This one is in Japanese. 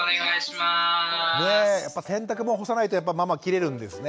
やっぱ洗濯物干さないとママ切れるんですね